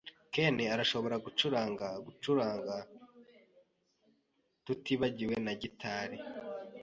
Ken arashobora gucuranga gucuranga, tutibagiwe na gitari.